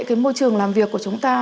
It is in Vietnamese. cái môi trường làm việc của chúng ta